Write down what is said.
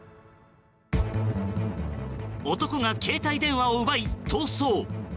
男が携帯電話を奪い、逃走。